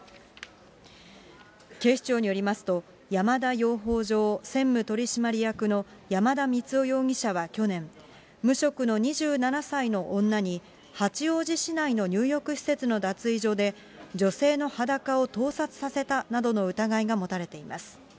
警視庁によりますと、山田養蜂場専務取締役の山田満生容疑者は去年、無職の２７歳の女に、八王子市内の入浴施設の脱衣所で、女性の裸を盗撮させたなどの疑いが持たれています。